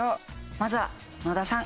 まずは野田さん